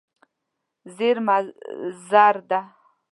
زېرمه زر ده.